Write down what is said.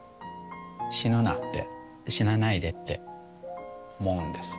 死ぬなって死なないでって思うんです。